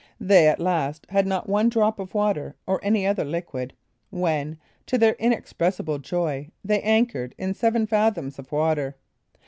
They at last had not one drop of water or any other liquid, when, to their inexpressible joy, they anchored in seven fathoms of water.